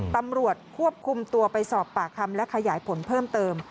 ตำรวจควบคุมตัวไปสอบปากคำและขยายผลเพิ่มเติม